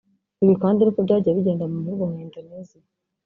Ibi kandi niko byagiye bigenda mu bihugu nka Indonesia